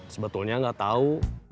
sebetulnya gak tahu